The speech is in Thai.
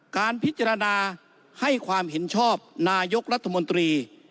การพิจารณาให้ความเห็นชอบนายกรัฐมนตรี